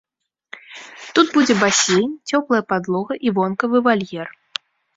Тут будзе басейн, цёплая падлога і вонкавы вальер.